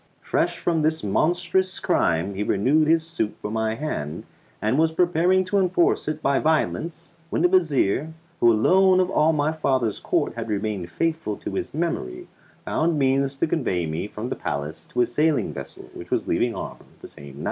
Fresh from this monstrous crime he renewed his suit for my hand, and was preparing to enforce it by violence, when the vizier, who alone of all my fathers court had remained faithful to his memory, found means to convey me from the palace to a sailing vessel which was leaving harbour the same night.